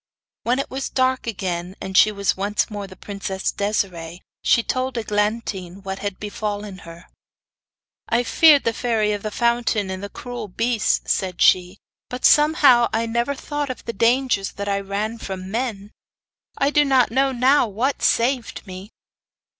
When it was dark again, and she was once more the princess Desiree, she told Eglantine what had befallen her. 'I feared the Fairy of the Fountain, and the cruel beasts,' said she; 'but somehow I never thought of the dangers that I ran from men. I do not know now what saved me.